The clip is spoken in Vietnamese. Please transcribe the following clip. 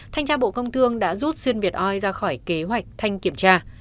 thanh tra bộ công thương đã rút xuyên việt oi ra khỏi kế hoạch thanh kiểm tra